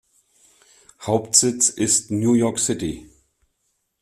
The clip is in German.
Hauptsitz ist New York City.